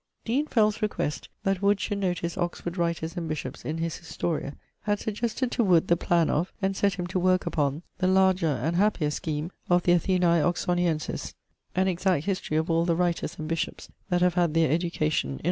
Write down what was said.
Dean Fell's request that Wood should notice Oxford writers and bishops in his Historia had suggested to Wood the plan of, and set him to work upon, the larger and happier scheme of the Athenae Oxonienses, an 'exact history of all the writers and bishops that have had their education in